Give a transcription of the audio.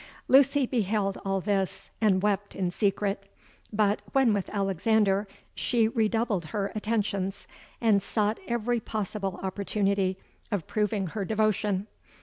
Lucy beheld all this, and wept in secret: but when with Alexander, she redoubled her attentions, and sought every possible opportunity of proving her devotion.